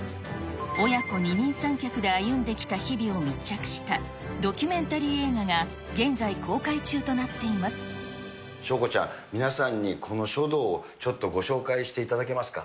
親子二人三脚で歩んできた日々を密着したドキュメンタリー映画が翔子ちゃん、皆さんに、この書道をちょっとご紹介していただけますか。